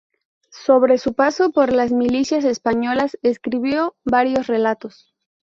Sobre su paso por las milicias españolas, escribió varios relatos.